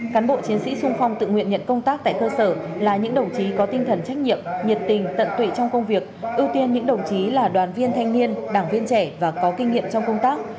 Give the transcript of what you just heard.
cán bộ chiến sĩ sung phong tự nguyện nhận công tác tại cơ sở là những đồng chí có tinh thần trách nhiệm nhiệt tình tận tụy trong công việc ưu tiên những đồng chí là đoàn viên thanh niên đảng viên trẻ và có kinh nghiệm trong công tác